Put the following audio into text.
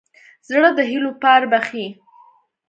زړه د هيلو پار بښي.